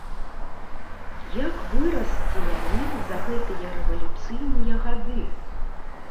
Як вырас селянін за гэтыя рэвалюцыйныя гады!